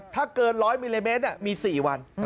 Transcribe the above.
ถ้าเกิน๑๐๐มิลลิเมตรมี๔วัน